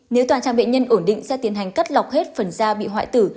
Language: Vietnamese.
nếu toàn trang bệnh nhân ổn định sẽ tiến hành cắt lọc hết phần da bị hoại tử